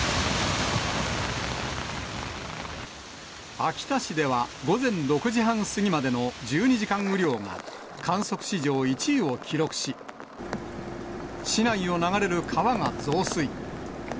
秋田市では、午前６時半過ぎまでの１２時間雨量が、観測史上１位を記録し、市内を流れる川が増水。